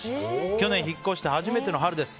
去年引っ越して初めての春です。